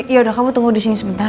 yaudah kamu tunggu disini sebentar